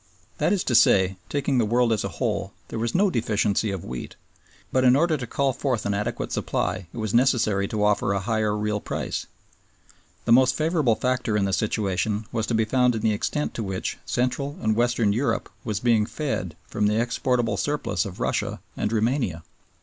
That is to say, taking the world as a whole, there was no deficiency of wheat, but in order to call forth an adequate supply it was necessary to offer a higher real price. The most favorable factor in the situation was to be found in the extent to which Central and Western Europe was being fed from the exportable surplus of Russia and Roumania.